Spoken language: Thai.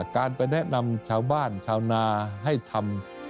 การไปแนะนำชาวบ้านชาวนาให้ทำ